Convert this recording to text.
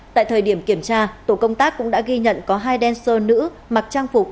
tại thời điểm kiểm tra tổ công tác cũng đã ghi nhận có hai dancer nữ mặc trang phục